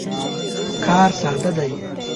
کار ساده دی.